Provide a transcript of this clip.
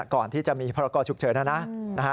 ก่อนที่จะมีภรรกชุกเฉินนะนะ